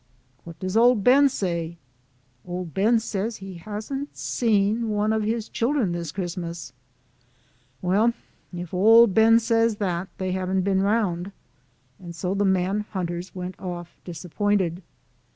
"What does Old Ben say?" " Old Ben says that he hasn't seen one of his chil dren this Christmas." " Well, if Old Ben says that, LIFE OF HAKRLET TUBMAN. 63 they haven't been round. " And so the man hunters went off disappointed.